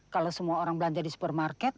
kalau semua orang belanja di supermarket